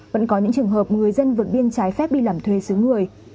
vẫn có những trường hợp người dân vượt biên trái phép đi làm thuê xứ người